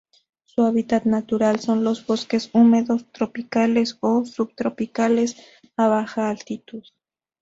Su hábitat natural son los bosques húmedos tropicales o subtropicales a baja altitud.